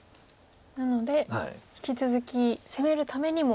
なので引き続き攻めるためにも。